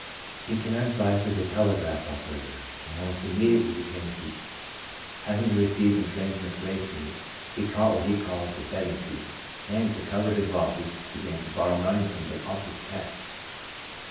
He commenced life as a telegraph opera tor, and, almost immediately, became a thief. Having to receive and transmit race news, he caught what he calls the " betting fever," and, to cover his losses, began to borrow money from the ofifice cash.